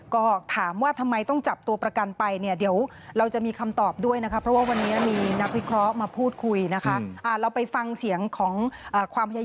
ก็ถามว่าทำไมต้องจับตัวประกันไปเนี่ยเดี๋ยวเราจะมีคำตอบด้วยนะคะ